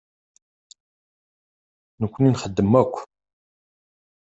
Nekkni nxeddem akk.